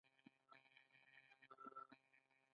هغوی ویل چې وخت مناسب نه دی.